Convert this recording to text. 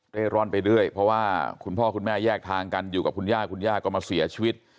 ร่อนไปด้วยเพราะว่าคุณพ่อคุณแม่แยกทางกันอยู่กับคุณย่าคุณย่าก็มาเสียชีวิต